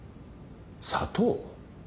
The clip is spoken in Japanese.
砂糖？